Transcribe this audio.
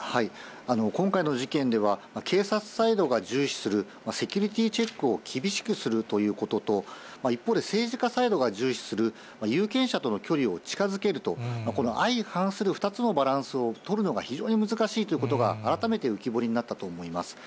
今回の事件では、警察サイドが重視する、セキュリティーチェックを厳しくするということと、一方で政治家サイドが重視する有権者との距離を近づけると、この相反する２つのバランスを取るのが非常に難しいということが改めて浮き彫りになったと思います。